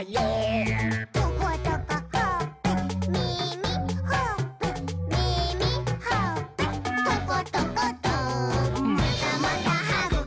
「トコトコほっぺみみほっぺ」「みみほっぺ」「トコトコト」「またまたはぐき！はぐき！はぐき！